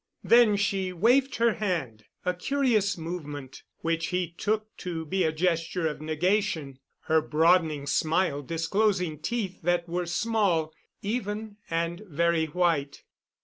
Then she waved her hand a curious movement, which he took to be a gesture of negation her broadening smile disclosing teeth that were small, even, and very white.